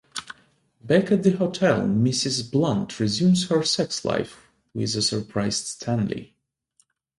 Back at the hotel, Mrs Blunt resumes her sex life with a surprised Stanley.